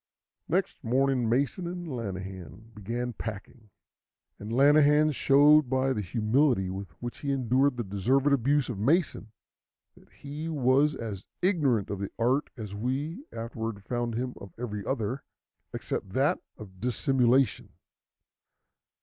Next morning Mason and Lanahan began packing, and Lanahan showed by the humility with which he endured the deserved abuse of Mason that he was as ignorant of the art as we afterward found him of every other, except that of dissimulation.